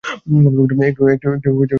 একটু খরচ হতে পারে।